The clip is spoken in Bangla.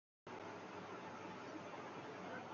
এই অর্থহীন আলাপচারিতা চালিয়ে যাওয়ার কোনও কারণ দেখছি না!